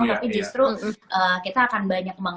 tapi justru kita akan banyak